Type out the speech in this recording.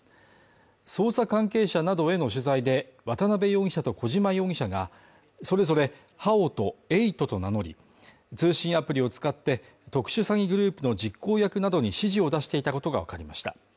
捜査関係者などへの取材で渡辺容疑者と小島容疑者がそれぞれハオとエイトと名乗り、通信アプリを使って特殊詐欺グループの実行役などに指示を出していたことがわかりました。